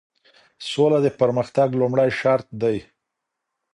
سوله د پرمختګ لومړی شرط دی.